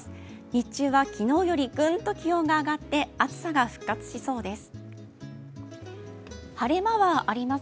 日中は昨日よりグンと気温が上がって暑さが復活しそうです。